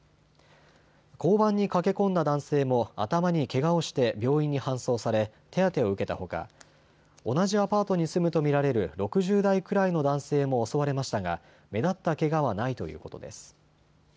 交番に駆け込んだ男性も頭にけがをして病院に搬送され、手当てを受けたほか同じアパートに住むと見られる６０代くらいの男性も襲われましたが目立ったけがはないということです。